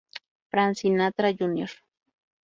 Frank Sinatra Jr.